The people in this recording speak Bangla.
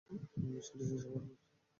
এই মিশনটা শেষ হওয়ার পর!